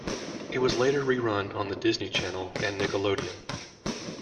It was later rerun on The Disney Channel and Nickelodeon.